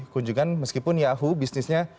kunjungan meskipun yahoo bisnisnya